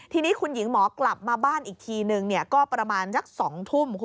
ทีนี้คุณหญิงหมอกลับมาบ้านอีกทีหนึ่ง